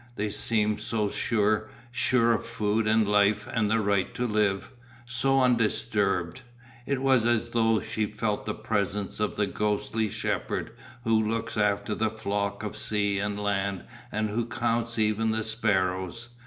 They seemed so sure, sure of food and life and the right to live, so undisturbed; it was as though she felt the presence of the ghostly shepherd who looks after the flocks of sea and land and who counts even the sparrows.